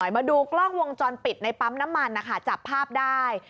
มาดูกล้องวงจรปิดในปั๊มน้ำมันนะคะจับภาพได้